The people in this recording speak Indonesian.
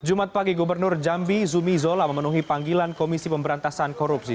jumat pagi gubernur jambi zumi zola memenuhi panggilan komisi pemberantasan korupsi